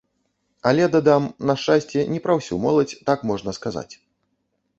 Але, дадам, на шчасце, не пра ўсю моладзь так можна сказаць.